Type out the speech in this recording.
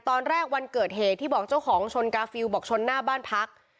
วันเกิดเหตุที่บอกเจ้าของชนกาฟิลบอกชนหน้าบ้านพัก